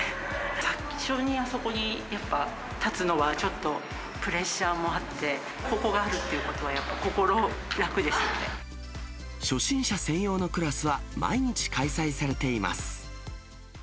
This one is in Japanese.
一緒にあそこに立つのはちょっと、プレッシャーもあって、ここがあるってことは、初心者専用のクラスは毎日開催されています。